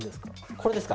これですか？